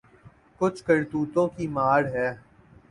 کچھ کرتوتوں کی مار ہے۔